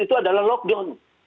itu adalah lockdown